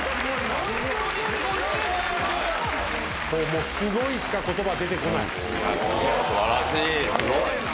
もう「すごい」しか言葉出てこない。